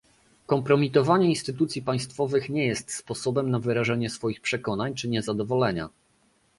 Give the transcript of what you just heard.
Kompromitowanie instytucji państwowych nie jest sposobem na wyrażanie swoich przekonań czy niezadowolenia